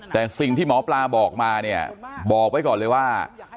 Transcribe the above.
แต่สิ่งที่หมอปลาบอกมาเนี่ยบอกไว้ก่อนเลยว่า